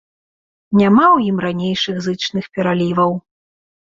Няма ў ім ранейшых зычных пераліваў.